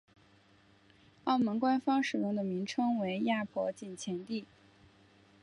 澳门官方使用的名称为亚婆井前地。